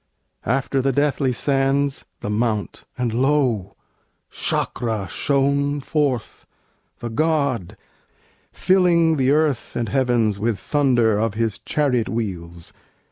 After the deathly sands, the Mount; and lo! Sâkra shone forth, the God, filling the earth And heavens with thunder of his chariot wheels.